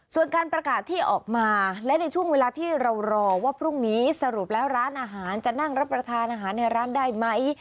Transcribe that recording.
ส่วนการประกาศที่ออกมาและในช่วงเวลาที่เรารอว่าพรุ่งนี้สรุปแล้วร้านอาหารจะนั่งรับประทานอาหารในร้านได้ไหม